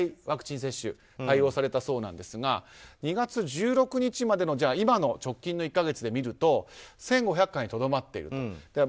ワクチン接種対応されたそうなんですが２月１６日までの直近の１か月で見ると１５００回にとどまっていると。